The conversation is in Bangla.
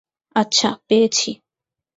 আচ্ছা, পেয়েছি।